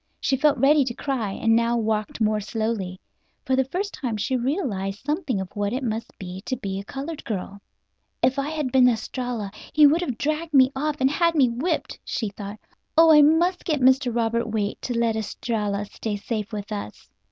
She felt ready to cry, and now walked more slowly. For the first time she realized something of what it must be to be a colored girl. "If I had been Estralla he could have dragged me off and had me whipped," she thought. "Oh, I must get Mr. Robert Waite to let Estralla stay safe with us."